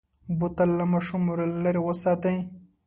بوتل له ماشومو لرې وساتئ.